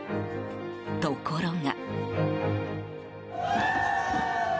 ところが。